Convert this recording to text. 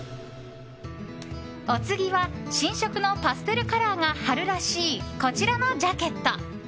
お次は新色のパステルカラーが春らしい、こちらのジャケット。